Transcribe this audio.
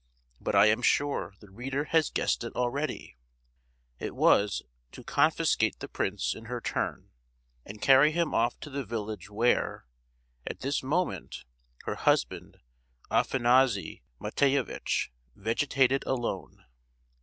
But I am sure the reader has guessed it already!—It was, to "confiscate" the prince in her turn, and carry him off to the village where, at this moment, her husband Afanassy Matveyevitch vegetated alone.